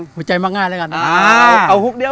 ไม่ใช่เหมือนเดงน์แต่สิ้นจรายชื่อ